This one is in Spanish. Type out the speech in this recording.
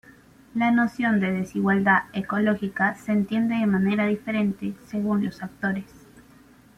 La noción de desigualdad ecológica se entiende de manera diferente según los actores.